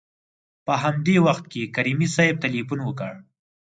په همدې وخت کې کریمي صیب تلېفون وکړ.